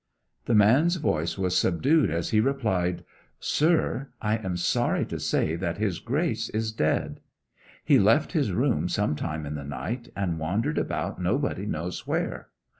The man's voice was subdued as he replied: 'Sir, I am sorry to say that his Grace is dead! He left his room some time in the night, and wandered about nobody knows where.